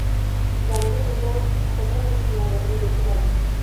জানে যে, কোথাও কিছু নোংরা তুমি দেখতে পার না।